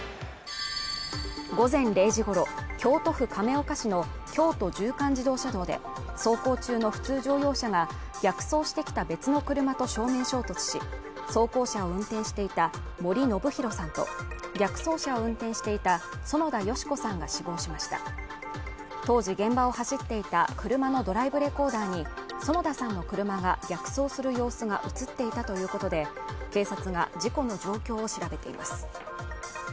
午前０時ごろ京都府亀岡市の京都縦貫自動車道で走行中の普通乗用車が逆走してきた別の車と正面衝突し装甲車を運転していた森伸広さんと逆走車を運転していた園田さんが死亡しました当時現場を走っていた車のドライブレコーダーに園田さんの車が逆走する様子が映っていたということで警察が事故の状況を調べています